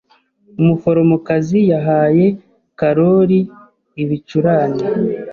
Umuforomokazi yahaye Karoli ibicurane.